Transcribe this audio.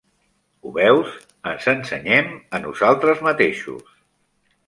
Ho veus, ens ensenyem a nosaltres mateixos.